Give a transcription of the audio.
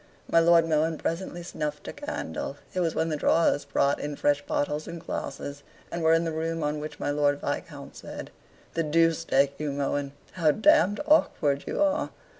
My Lord Mohun presently snuffed a candle. It was when the drawers brought in fresh bottles and glasses and were in the room on which my Lord Viscount said "The Deuce take you, Mohun, how damned awkward you are.